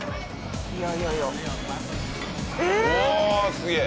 すげえ！